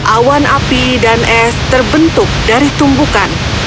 awan api dan es terbentuk dari tumbukan